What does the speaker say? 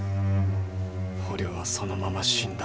捕虜はそのまま死んだ。